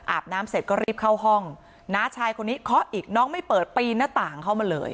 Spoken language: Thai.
น้ำเสร็จก็รีบเข้าห้องน้าชายคนนี้เคาะอีกน้องไม่เปิดปีนหน้าต่างเข้ามาเลย